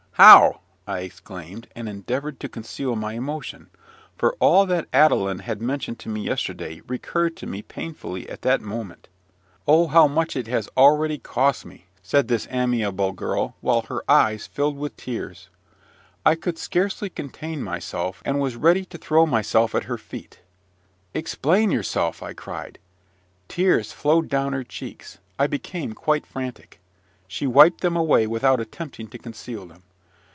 "How!" I exclaimed, and endeavoured to conceal my emotion; for all that Adelin had mentioned to me yesterday recurred to me painfully at that moment. "Oh, how much it has already cost me!" said this amiable girl, while her eyes filled with tears. I could scarcely contain myself, and was ready to throw myself at her feet. "Explain yourself!" I cried. Tears flowed down her cheeks. I became quite frantic. She wiped them away, without attempting to conceal them.